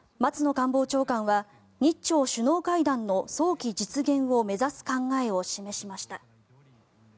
官房長官は日朝首脳会談の早期実現を目指す考えを示しました。